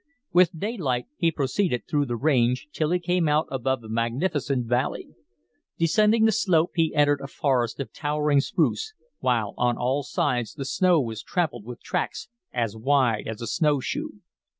"With daylight, he proceeded through the range, till he came out above a magnificent valley. Descending the slope, he entered a forest of towering spruce, while on all sides the snow was trampled with tracks as wide as a snow shoe.